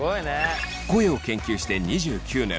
声を研究して２９年。